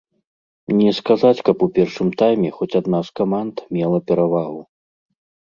Не сказаць, каб у першым тайме хоць адна з каманд мела перавагу.